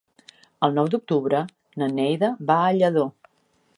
El nou d'octubre na Neida va a Lladó.